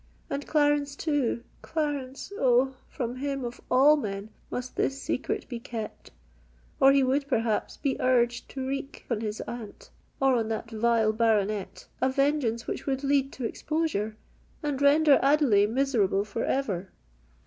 And Clarence, too—Clarence—oh! from him, of all men, must this secret be kept; or he would, perhaps, be urged to wreak on his aunt, and on that vile baronet, a vengeance which would lead to exposure, and render Adelais miserable for ever!"